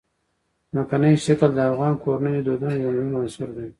ځمکنی شکل د افغان کورنیو د دودونو یو مهم عنصر دی.